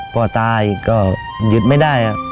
พ่อตาอีกก็หยุดไม่ได้